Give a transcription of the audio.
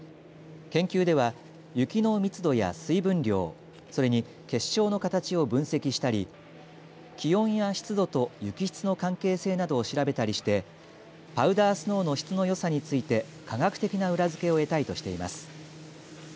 研究では雪の密度や水分量それに結晶の形を分析したり気温や湿度と雪質の関係性などを調べたりしてパウダースノーの質のよさについて科学的な裏付けを得たいとしています。